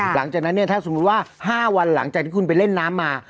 หลังจากนั้นเนี่ยถ้าสมมุติว่า๕วันหลังจากที่คุณไปเล่นน้ำมา